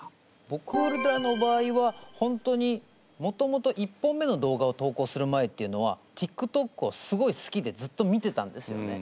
ぼくらの場合は本当にもともと１本目の動画を投稿する前っていうのはティックトックをすごい好きでずっと見てたんですよね。